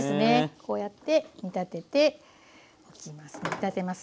こうやって煮立てておきます。